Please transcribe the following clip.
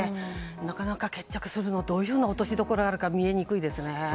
なかなか決着するのはどういう落としどころがあるか見えにくいですね。